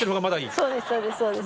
そうですそうです。